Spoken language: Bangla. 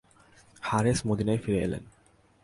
হারেস মদীনায় ফিরে এলেন।